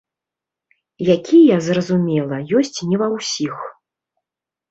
Якія, зразумела, ёсць не ва ўсіх.